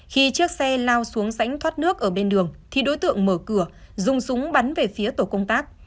khi chiếc xe lao xuống rãnh thoát nước ở bên đường thì đối tượng mở cửa dùng súng bắn về phía tổ công tác